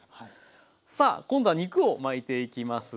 さあ今度は肉を巻いていきます。